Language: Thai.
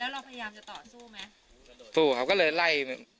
แล้วเราพยายามจะต่อสู้ไหม